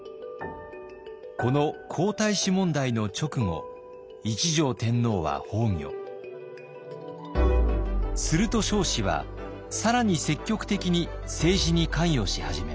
この皇太子問題の直後すると彰子は更に積極的に政治に関与し始めます。